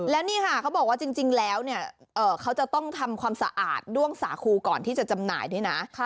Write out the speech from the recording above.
แล้วนี่ค่ะเขาบอกว่าจริงแล้วเนี่ยเขาจะต้องทำความสะอาดด้วงสาคูก่อนที่จะจำหน่ายด้วยนะ